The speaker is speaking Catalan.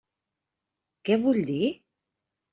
Què vull dir?